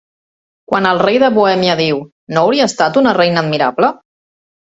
Quan el rei de Bohèmia diu, No hauria estat una reina admirable?